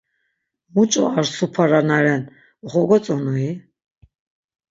Muç̆o ar supara na ren oxogotzonui?